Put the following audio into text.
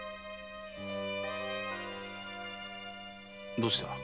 どうした？